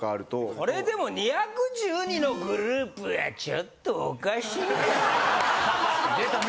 それでも２１２のグループはちょっとおかしいんじゃないの？